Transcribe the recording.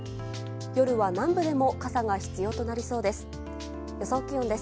夜は南部でも傘が必要となりそうです。